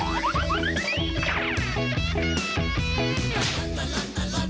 บรรยากาศสำหรับกองเทียงงานการคาร์ดเรือยาว